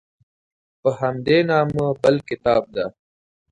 په همدې نامه بل کتاب ده.